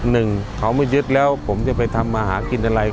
หนึ่งเขาไม่ยึดแล้วผมจะไปทำมาหากินอะไร